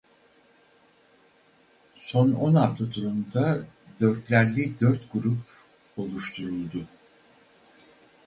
Son on altı turunda dörtlerli dört grup oluşturuldu.